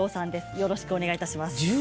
よろしくお願いします。